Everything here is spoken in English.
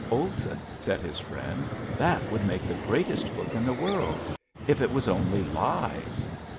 "Olson," said his friend, "that would make the greatest book in the world if it was only lies."